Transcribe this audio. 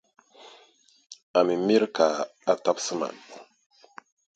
A mi mira ka a tabisi ma.